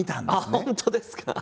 ああ本当ですか！